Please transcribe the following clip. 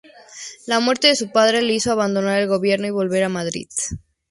La muerte de su padre le hizo abandonar el gobierno y volver a Madrid.